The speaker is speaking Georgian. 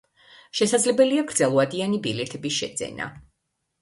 შესაძლებელია გრძელვადიანი ბილეთების შეძენა.